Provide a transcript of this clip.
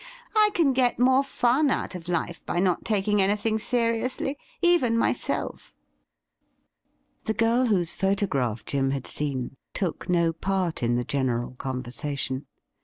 ^ I can get more fun out of life by not taking anything seriously — even myself.' The girl whose photograph Jim had seen took no part in the general conversation.